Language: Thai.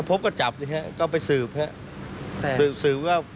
ถ้าพบก็จับนะครับก็ไปสืบนะครับ